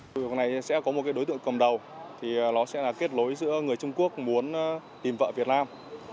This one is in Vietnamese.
cơ quan này sẽ có một đối tượng cầm đầu nó sẽ là kết lối giữa người trung quốc muốn tìm vợ việt nam